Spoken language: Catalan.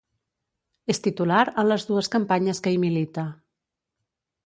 És titular en les dues campanyes que hi milita.